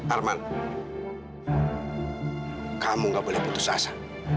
arman kamu gak boleh putus asa